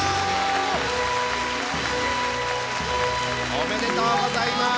おめでとうございます。